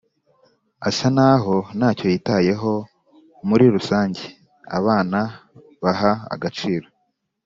asa n aho nta cyo yitayeho muri rusange abana baha agaciro